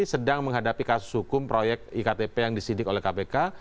sedang menghadapi kasus hukum proyek iktp yang disidik oleh kpk